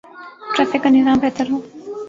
Traffic کا نظام بہتر ہو۔